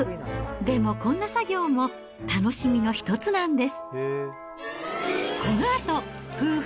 でも、こんな作業も楽しみの一つなんです。